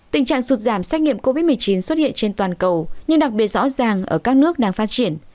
tình trạng sụt giảm xét nghiệm covid một mươi chín xuất hiện trên toàn cầu nhưng đặc biệt rõ ràng ở các nước đang phát triển